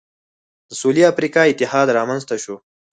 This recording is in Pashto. د سوېلي افریقا اتحاد رامنځته شو.